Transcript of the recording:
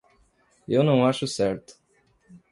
Eu não acho certo.